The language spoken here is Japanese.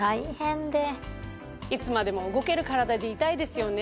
いつまでも動けるカラダでいたいですよね。